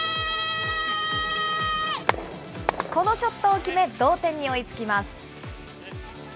このショットを決め、同点に追いつきます。